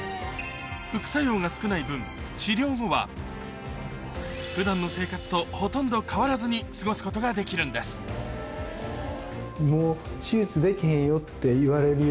副作用が少ない分治療後は普段の生活とほとんど変わらずに過ごすことができるんですカテーテル